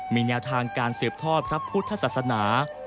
มีแนวทางการสืบทอดพระพุทธศาสนา